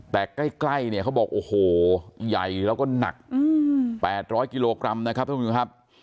แต่ใกล้เนี่ยเขาบอกโอ้โหใหญ่แล้วก็หนัก๘๐๐กิโลกรัมนะครับท่านผู้ชมครับ